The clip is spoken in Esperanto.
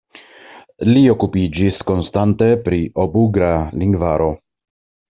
Li okupiĝis konstante pri Ob-ugra lingvaro.